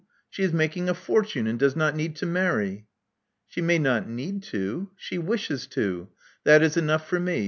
She is making a fortune, and does not need to marry." She may not need to. She wishes to: that is enough for me.